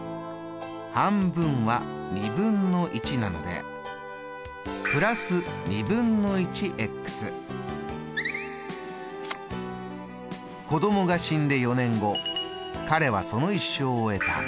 半分はなので子どもが死んで４年後彼はその一生を終えた。